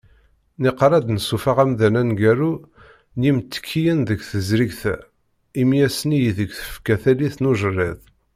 Niqal ad d-nessuffeɣ amḍan aneggaru n yimttekkiyen deg tezrigt-a, imi ass-nni ideg tekfa tallit n ujerred.